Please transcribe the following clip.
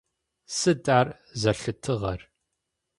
Сыд ар зэлъытыгъэр?